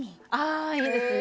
ああいいですね。